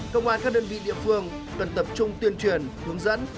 công an các đơn vị địa phương cần tập trung tuyên truyền hướng dẫn